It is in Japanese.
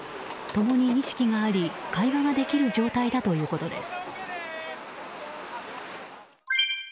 共に意識があり、会話ができる状態だということです。